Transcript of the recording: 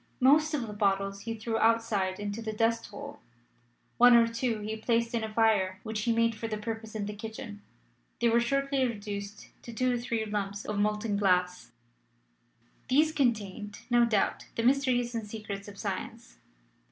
Most of the bottles he threw outside into the dust hole; one or two he placed in a fire which he made for the purpose in the kitchen: they were shortly reduced to two or three lumps of molten glass. These contained, no doubt, the mysteries and secrets of Science.